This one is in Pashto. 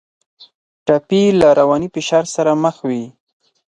ټپي له رواني فشار سره مخ وي.